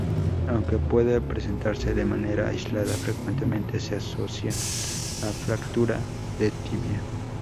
Aunque puede presentarse de manera aislada, frecuentemente se asocia a fractura de tibia.